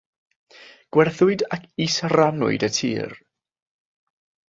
Gwerthwyd ac is-rannwyd y tir.